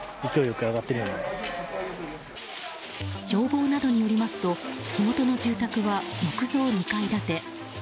消防などによりますと火元の住宅は木造２階建て。